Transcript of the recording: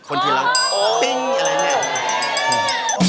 คนที่รักติ๊งอะไรแหละ